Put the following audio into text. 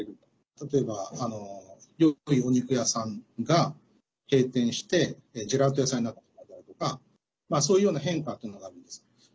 例えば、お肉屋さんが閉店してジェラート屋さんになったりとかそういうような変化というのがあるんです。